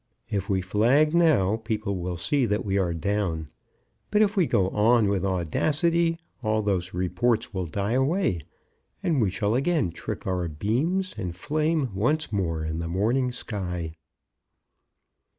If we flag now, people will see that we are down. But if we go on with audacity, all those reports will die away, and we shall again trick our beams, and flame once more in the morning sky."